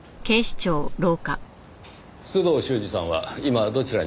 須藤修史さんは今どちらに？